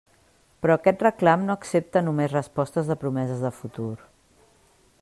Però aquest reclam no accepta només respostes de promeses de futur.